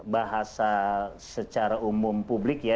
bahasa secara umum publik ya